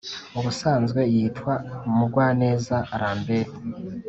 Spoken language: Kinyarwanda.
Ubusanzwe yitwa Mugwaneza Lambert